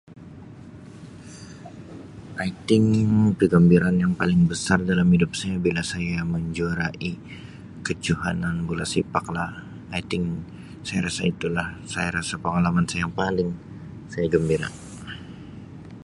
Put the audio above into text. """I think"" kegembiraan yang paling besar dalam hidup saya bila saya menjuarai kejohanan Bola Sepak lah ""I think"" saya rasa itu la saya rasa pengalaman saya yang paling saya gembira. "